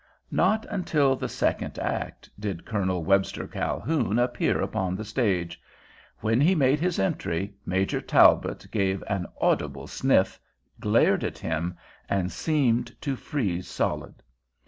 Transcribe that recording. Not until the second act did Col. Webster Calhoun appear upon the stage. When he made his entry Major Talbot gave an audible sniff, glared at him, and seemed to freeze solid.